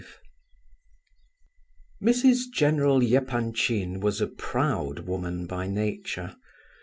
V. Mrs. General Epanchin was a proud woman by nature.